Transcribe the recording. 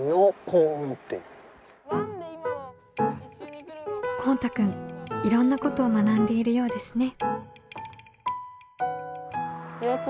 こうたくんいろんなことを学んでいるようですね。